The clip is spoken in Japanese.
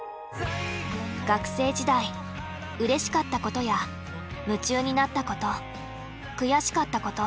学生時代うれしかったことや夢中になったこと悔しかったこと。